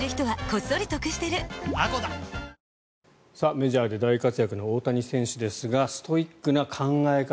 メジャーで大活躍の大谷選手ですがストイックな考え方